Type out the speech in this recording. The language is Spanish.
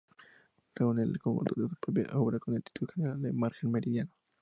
Reúne el conjunto de su propia obra con el título general: "Margen meridiano".